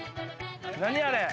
何あれ？